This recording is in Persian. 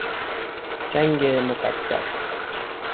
جنگ مقدس